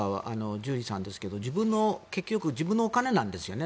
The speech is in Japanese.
ジュリーさんですが結局自分のお金なんですよね。